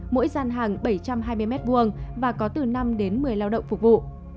mỗi gian hàng bảy trăm hai mươi m hai và có từ năm đến một mươi lao động phục vụ